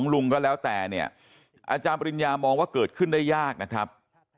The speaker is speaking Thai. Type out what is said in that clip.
ลุงก็แล้วแต่เนี่ยอาจารย์ปริญญามองว่าเกิดขึ้นได้ยากนะครับ